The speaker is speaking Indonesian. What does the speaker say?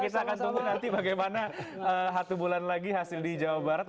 kita akan tunggu nanti bagaimana satu bulan lagi hasil di jawa barat